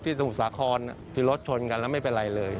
ที่สมุทรศาคลที่รถชนกันมันไม่เป็นไรเลย